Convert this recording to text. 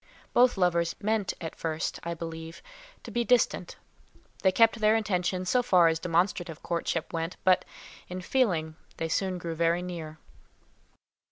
Both lovers meant at first, I believe, to be distant; they kept their intention so far as demonstrative courtship went, but in feeling they soon drew very near.